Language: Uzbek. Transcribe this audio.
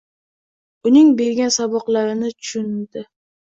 — Uning bergan saboqlarini tushundi.